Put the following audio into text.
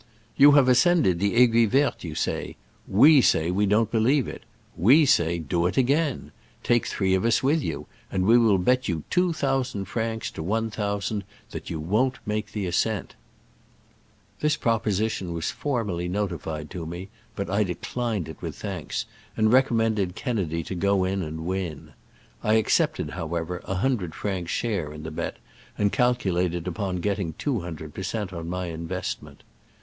*' You have ascended the Aiguille Verte, you say. We say we don't believe it. We say, Do it again ! Take three of us with you, and we will bet you two thousand francs to one thou sand that you won't make the ascent !" This proposition was formally notified to me, but I declined it with thanks, and recommended Kennedy to go in and win. I accepted, however, a hundred franc share in the bet, and calculated upon getting .two hundred per cent, on my investment.